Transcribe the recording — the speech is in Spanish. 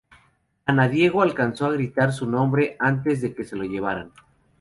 Ana Diego alcanzó a gritar su nombre antes de que se la llevaran.